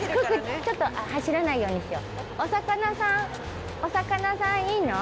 ちょっと走らないようにしよう。